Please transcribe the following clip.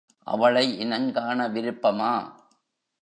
அவளை இனம் காண விருப்பமா?